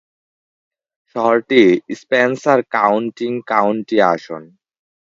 শহরটি স্পেন্সার কাউন্টির কাউন্টি আসন।